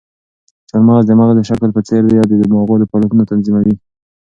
چهارمغز د مغز د شکل په څېر دي او د دماغو فعالیتونه تنظیموي.